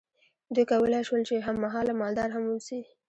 دوی کولی شول چې هم مهاله مالدار هم واوسي.